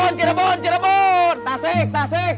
tasik tasik tasik